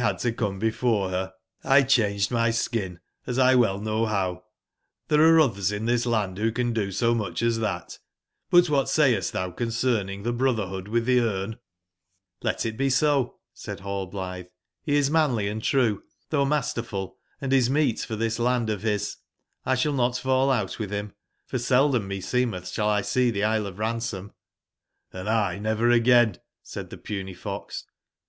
had to come before her, ! 171 cbangfcdmyskin^asXwcU know bow; there arc others in this land who can do eo much as that. But what 6ayc9t thou concerning the brotherhood with the eme?"j^''Let it be eo/'said RaUblitbe/'beis man ly and true, tboughma9terful,&i9nieetfortbi8 land of bis. Xeball not fall out with him ; for seldom me seemeth shall 1 see the Isle of Ransom "j^ '' Hnd 1 n ever again /'said the puny fox J?